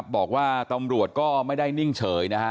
บอกว่าตำรวจก็ไม่ได้นิ่งเฉยนะฮะ